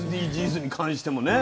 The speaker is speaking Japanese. ＳＤＧｓに関してもね。